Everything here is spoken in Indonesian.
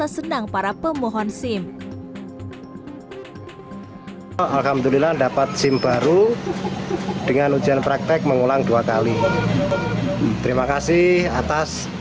simp alhamdulillah dapat simp baru dengan ujian praktik mengulang dua kali terima kasih atas